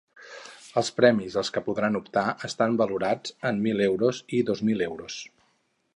Els premis als que podran optar estan valorats en mil euros i dos mil euros.